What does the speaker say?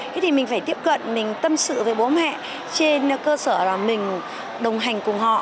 thế thì mình phải tiếp cận mình tâm sự với bố mẹ trên cơ sở là mình đồng hành cùng họ